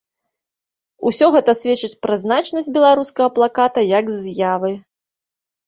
Усё гэта сведчыць пра значнасць беларускага плаката як з'явы.